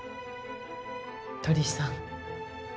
鳥居さん。